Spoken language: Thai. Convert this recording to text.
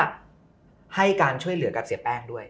ให้การช่วยเหลือกับเสียแป้งด้วย